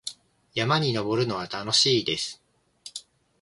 山に登るのは楽しいです。